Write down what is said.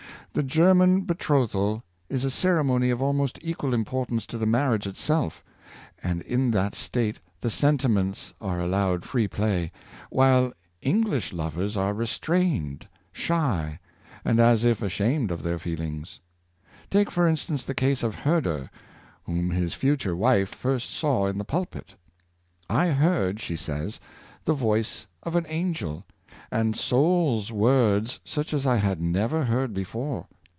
The German be trothal is a ceremony of almost equal importance to the marriage itself, and in that state the sentiments are allowed free play, while English lovers are restrained, shy, and as if ashamed of their feelings. Take, for mstance, the case of Herder, whom his future wife first saw in the pulpit. " I heard," she says, " the voice of an angel, and soul's words such as I had never heard before.